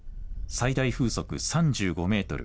最大風速４０メートル